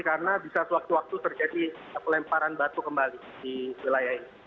karena bisa suatu waktu terjadi pelemparan batu kembali di wilayah ini